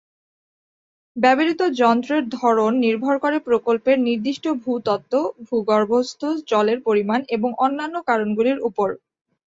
ব্যবহৃত যন্ত্রের ধরন নির্ভর করে প্রকল্পের নির্দিষ্ট ভূতত্ত্ব, ভূগর্ভস্থ জলের পরিমাণ এবং অন্যান্য কারণগুলির উপর।